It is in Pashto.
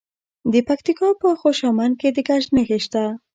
د پکتیکا په خوشامند کې د ګچ نښې شته.